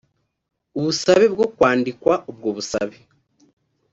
ubusabe bwo kwandikwa ubwo busabe